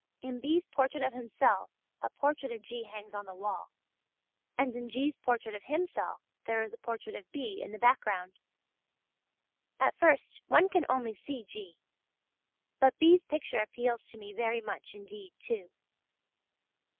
In B's portrait of himself a portrait of G. hangs on the wall, and in G's. portrait of himself there is a portrait of B. in the background. At first one can only see G.; but B's. picture appeals to me very much indeed too.